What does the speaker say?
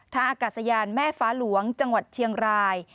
อากาศยานแม่ฟ้าหลวงจังหวัดเชียงราย